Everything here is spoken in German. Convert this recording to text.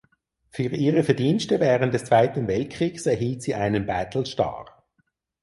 Für ihre Verdienste während des Zweiten Weltkriegs erhielt sie einen Battle Star.